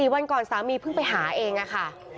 วันก่อนสามีเพิ่งไปหาเองค่ะ